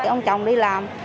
ông chồng đi làm